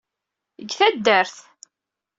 Deg taddart.